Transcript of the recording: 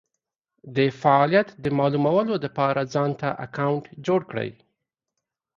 دفعالیت د مالومولو دپاره ځانته اکونټ جوړ کړی